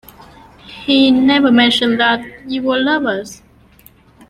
He never mentioned that you were lovers.